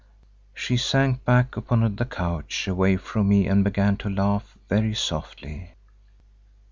She sank back upon the couch away from me and began to laugh very softly.